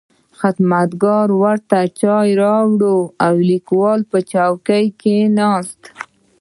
خدمتګار ورته چای راوړ او لیکوال په چوکۍ کې کښېناست.